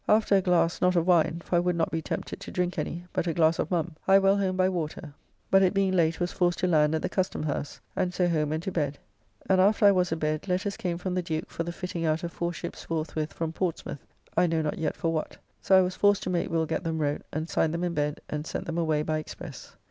After a glass, not of wine, for I would not be tempted to drink any, but a glass of mum, I well home by water, but it being late was forced to land at the Custom House, and so home and to bed, and after I was a bed, letters came from the Duke for the fitting out of four ships forthwith from Portsmouth (I know not yet for what) so I was forced to make Will get them wrote, and signed them in bed and sent them away by express.